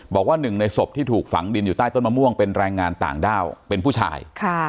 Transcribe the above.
บอกว่าหนึ่งในศพที่ถูกฝังดินอยู่ใต้ต้นมะม่วงเป็นแรงงานต่างด้าวเป็นผู้ชาย